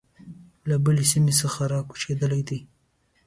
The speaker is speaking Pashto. له بلې سیمې څخه را کوچېدلي دي.